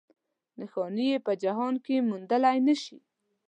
نښانې یې په جهان کې موندلی نه شي.